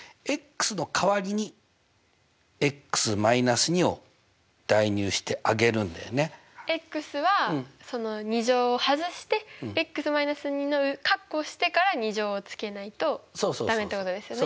の代わりに−２を代入してあげるんだよは２乗を外して−２をカッコしてから２乗をつけないと駄目ってことですね？